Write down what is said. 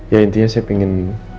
ya intinya saya pengen